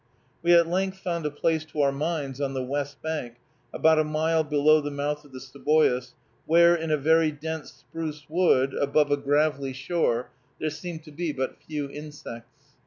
We at length found a place to our minds, on the west bank, about a mile below the mouth of the Seboois, where, in a very dense spruce wood above a gravelly shore, there seemed to be but few insects.